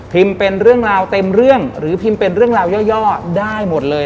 เป็นเรื่องราวเต็มเรื่องหรือพิมพ์เป็นเรื่องราวย่อได้หมดเลย